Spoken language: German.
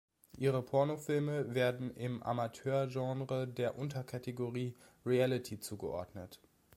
Ihre Pornofilme werden im Amateur-Genre der Unterkategorie „Reality“ zugeordnet.